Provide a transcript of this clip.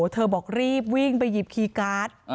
เธอบอกรีบวิ่งไปหยิบคีย์การ์ด